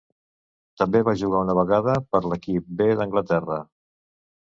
També va jugar una vegada per l'equip B d'Anglaterra.